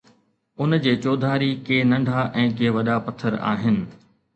ان جي چوڌاري ڪي ننڍا ۽ ڪي وڏا پٿر آهن